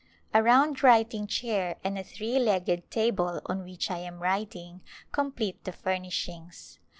A round writing chair and a three legged table, on which I am writing, complete the furnishings.